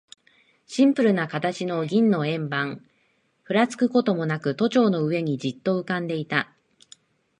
シンプルな形の銀の円盤、ふらつくこともなく、都庁の上にじっと浮んでいた。